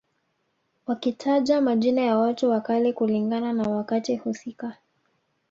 Wakitaja majina ya watu wa kale kulingana na wakati husika